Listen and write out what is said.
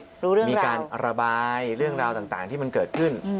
มีการระบายเรื่องราวต่างที่มันเกิดขึ้น